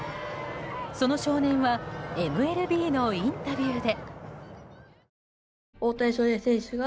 その少年はＭＬＢのインタビューで。